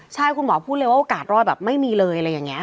ใช่คุณหมอพูดเลยว่าโอกาสรอดไม่มีเลย